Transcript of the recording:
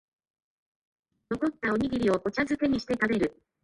残ったおにぎりをお茶づけにして食べる